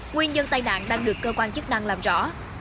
nguyên nhân tai nạn đang được cơ quan chức năng làm rõ